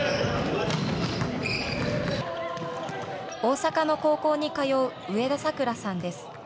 大阪の高校に通う上田さくらさんです。